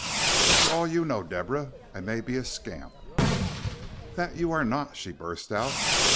But for all you know, Deborah, I may be a scamp." "That you are not," she burst out.